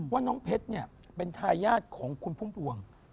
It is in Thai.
ว่าน้องเพชรเนี่ยเป็นทายาทของคุณพุ่มพวง